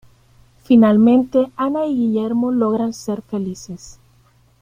Finalmente Ana y Guillermo logran ser felices.